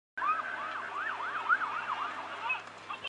加拿大最高法院位置于首都渥太华。